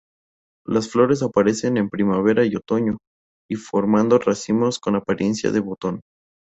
Las flores aparecen en primavera y otoño formando racimos con apariencia de botón.